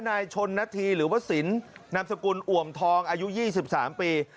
นายชนณธีร์หรือว่าสินนามสกุลอว่มทองอายุยี่สิบสามปี